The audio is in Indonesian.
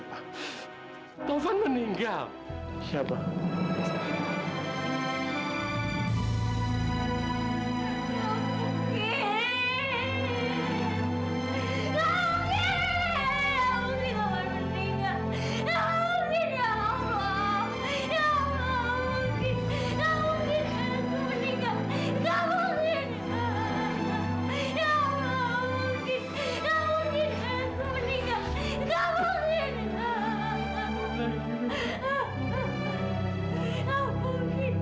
padahal apa yang akan dibuka pandangnya